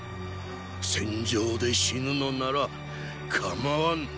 戦場で死ぬのなら構わぬ。